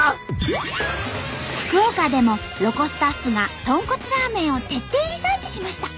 福岡でもロコスタッフが豚骨ラーメンを徹底リサーチしました。